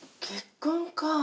結婚か。